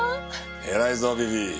偉いぞビビ。